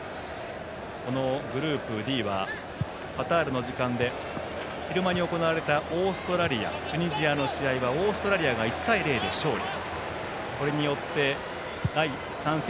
このグループＤはカタール時間で昼間に行われたオーストラリアチュニジアの試合はオーストラリアが１対０で勝利。